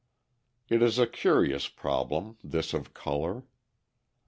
It is a curious problem, this of colour.